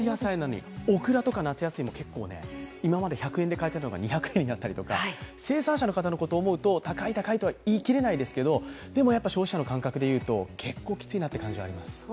オクラとか夏野菜、今まで１００円で買えていたものが２００円になったりとか、生産者の方のことを思うと高い高いとは言い切れないですけど、消費者の感覚でいうと結構きついなという感じはあります。